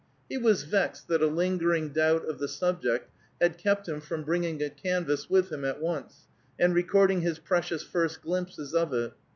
He was vexed that a lingering doubt of the subject had kept him from bringing a canvas with him at once, and recording his precious first glimpses of it.